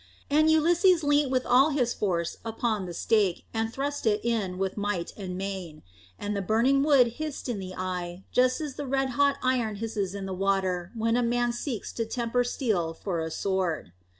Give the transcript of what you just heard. And Ulysses leant with all his force upon the stake, and thrust it in with might and main. And the burning wood hissed in the eye, just as the red hot iron hisses in the water when a man seeks to temper steel for a sword.